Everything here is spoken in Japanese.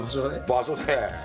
場所で。